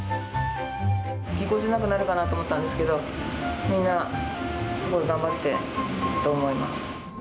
ぎこちなくなるかなと思ったんですけど、みんなすごい頑張ったと思います。